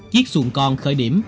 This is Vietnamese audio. chiếc xuồng con khởi điểm